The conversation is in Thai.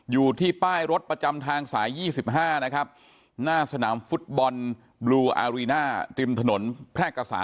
อยู่ที่ป้ายรถประจำทางสายยี่สิบห้านะครับหน้าสนามฟุตบอลบล๙๓ถนนแพร่กกาศา